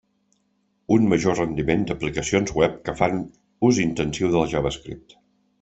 Un major rendiment d'aplicacions web que fan ús intensiu del JavaScript.